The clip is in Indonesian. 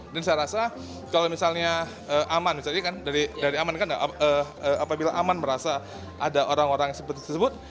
dan saya rasa kalau misalnya aman apabila aman merasa ada orang orang seperti tersebut